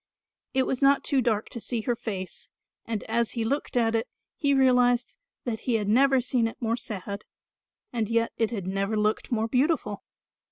It was not too dark to see her face, and as he looked at it he realised that he had never seen it more sad and yet it had never looked more beautiful.